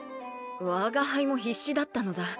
我が輩も必死だったのだ